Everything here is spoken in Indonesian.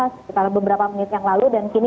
sekitar beberapa menit yang lalu dan kini